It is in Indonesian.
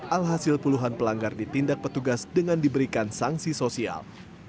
alhasil puluhan pelanggar ditindak petugas dengan diberikan sanksi sosial